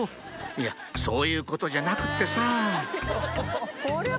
いやそういうことじゃなくってさこりゃ